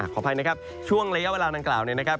ขออภัยนะครับช่วงระยะเวลาดังกล่าวเนี่ยนะครับ